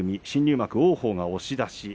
新入幕王鵬が押し出し。